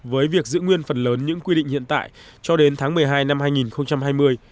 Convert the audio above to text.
với việc giữ nguyên phần lớn những quy định hiện tại cho đến tháng một mươi hai năm hai nghìn hai mươi